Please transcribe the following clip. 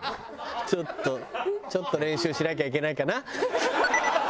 ちょっとちょっと練習しなきゃいけないかな。